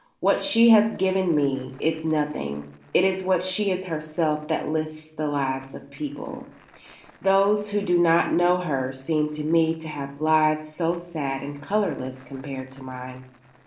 What she has given me is nothing. It is what she is herself that lifts the lives of other people. Those who do not know her seem to me to have lives so sad and colourless compared to mine.